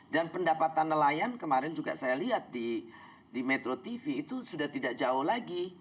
dan pendapatan nelayan kemarin juga saya lihat di metro tv itu sudah tidak jauh lagi